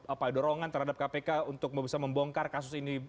apa dorongan terhadap kpk untuk bisa membongkar kasus ini